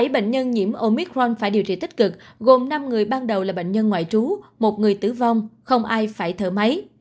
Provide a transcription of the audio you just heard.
bảy bệnh nhân nhiễm omicron phải điều trị tích cực gồm năm người ban đầu là bệnh nhân ngoại trú một người tử vong không ai phải thở máy